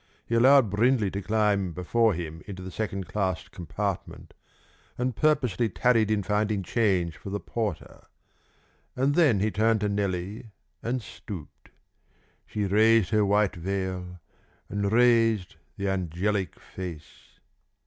He allowed Brindley to climb before him into the second class compartment, and purposely tarried in finding change for the porter; and then he turned to Nellie, and stooped. She raised her white veil and raised the angelic face.